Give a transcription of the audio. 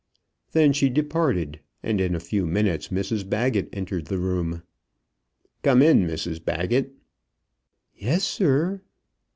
Then she departed, and in a few minutes Mrs Baggett entered the room. "Come in, Mrs Baggett." "Yes, sir."